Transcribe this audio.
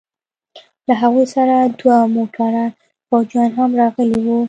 له هغوى سره دوه موټره فوجيان هم راغلي وو.